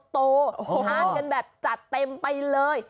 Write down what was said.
ทานกันแบบจัดเต็มไปเลย